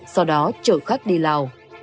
không có chở khách đi lào